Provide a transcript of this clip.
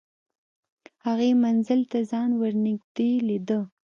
هغې منزل ته ځان ور نږدې لیده